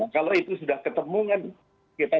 kalau itu sudah ketemu kan kita